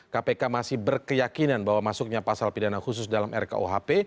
kpk masih berkeyakinan bahwa masuknya pasal pidana khusus dalam rkuhp